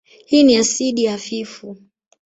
Hii ni asidi hafifu.